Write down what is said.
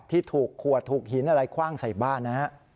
ที่ถูกขวดถูกหินอะไรคว่างใส่บ้านนะฮะ